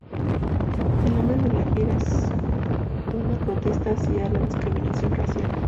El nombre de la gira es una protesta hacia la discriminación racial.